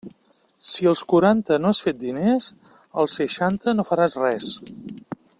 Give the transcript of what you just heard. Si als quaranta no has fet diners, als seixanta no faràs res.